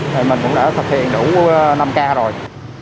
thì mình cũng đã thực hiện đủ năm k rồi